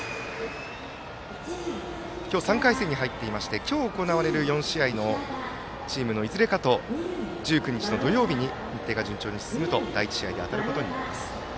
今日３回戦に入っていまして今日行われる４試合のチームのいずれかと１９日の土曜日に日程が順調に進むと第１試合で当たることになります。